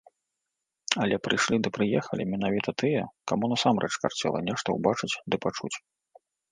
Але прыйшлі ды прыехалі менавіта тыя, каму насамрэч карцела нешта ўбачыць ды пачуць.